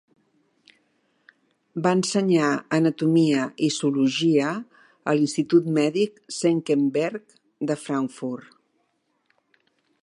Va ensenyar anatomia i zoologia a l'Institut Mèdic Senckenberg de Frankfurt.